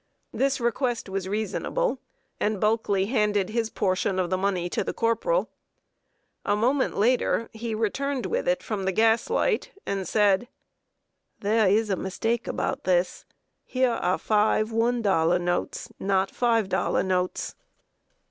This request was reasonable, and Bulkley handed his portion of the money to the corporal. A moment later he returned with it from the gas light, and said: "There is a mistake about this. Here are five one dollar notes, not five dollar notes."